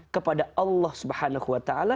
kepada allah swt